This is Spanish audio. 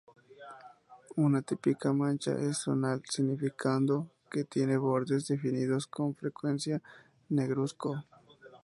Una típica mancha es "zonal", significando que tienen bordes definidos, con frecuencia negruzco.